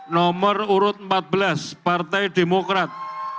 nomor urut empat belas partai demokrat